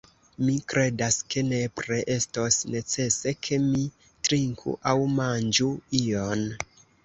Mi kredas ke nepre estos necese ke mi trinku aŭ manĝu ion.